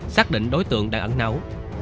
xác định đối tượng đang ẩn nấu